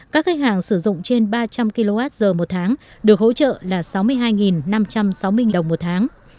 các khách hàng sử dụng trên ba trăm linh kwh một tháng được hỗ trợ là sáu mươi hai năm trăm sáu mươi đồng một tháng